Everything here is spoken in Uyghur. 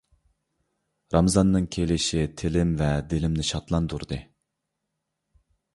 رامىزاننىڭ كېلىشى تىلىم ۋە دىلىمنى شادلاندۇردى.